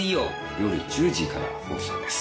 夜１０時から放送です。